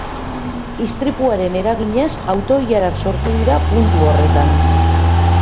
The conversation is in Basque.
Istripuaren eraginez, auto-ilarak sortu dira puntu horretan.